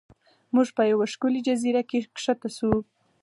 موږ په یوه ښکلې جزیره کې ښکته شو.